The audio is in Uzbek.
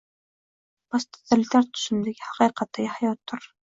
posttotalitar tuzumdagi “haqiqatdagi hayot”dir.